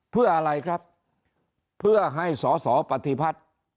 เพื่ออะไรครับเพื่อให้สอสอปฏิพัฒน์